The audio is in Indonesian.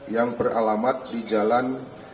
yang beralamat di jalan